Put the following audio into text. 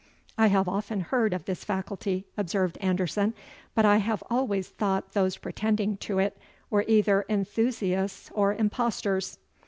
"I have often heard of this faculty," observed Anderson, "but I have always thought those pretending to it were either enthusiasts or impostors."